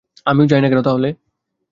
আমিও যাই না কেন তাহলে!